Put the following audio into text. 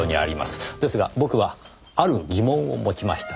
ですが僕はある疑問を持ちました。